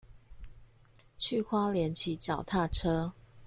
去花蓮騎腳踏車